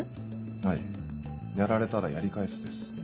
はい「やられたらやり返す」です。